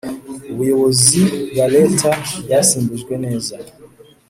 abuyubozi bareta bwasimbujwe neza